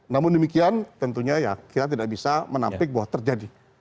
namun demikian tentunya ya kita tidak bisa menampik bahwa terjadi